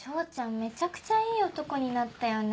めちゃくちゃいい男になったよね。